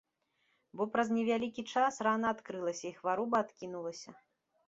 Бо праз невялікі час рана адкрылася і хвароба адкінулася.